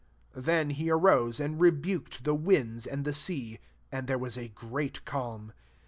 Then he arose and rebuked the winds and the sea t and there was a great caUn.